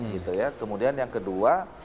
gitu ya kemudian yang kedua